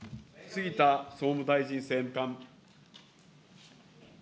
杉田総務大臣政務官。